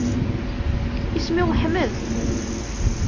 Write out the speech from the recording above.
Isem-iw Ḥmed.